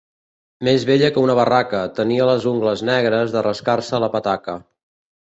Més vella que una barraca, tenia les ungles negres de rascar-se la petaca.